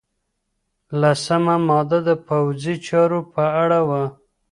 لسمه ماده د پوځي چارو په اړه وه.